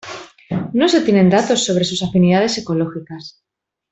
No se tienen datos sobre sus afinidades ecológicas.